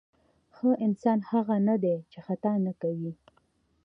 ښه انسان هغه نه دی چې خطا نه کوي.